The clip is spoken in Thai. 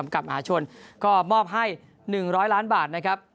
ก็มอบให้๑๐๐ล้านบาทนะครับ